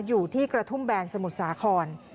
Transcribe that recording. อยู่ที่กระทุ่มแบนสมุทรสาคร